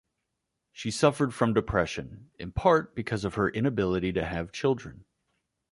She suffered from depression, in part because of her inability to have children.